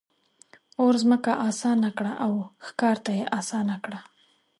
اور ځمکه آزاده کړه او ښکار ته یې آسانه کړه.